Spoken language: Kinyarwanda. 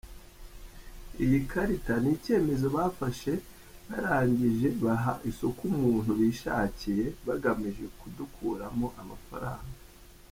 Iyi karita ni icyemezo bafashe barangije baha isoko umuntu bishakiye bagamije kudukuramo amafaranga.